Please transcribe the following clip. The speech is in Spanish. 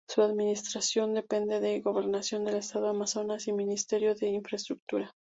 Su administración depende de la Gobernación del estado Amazonas y el Ministerio de Infraestructura.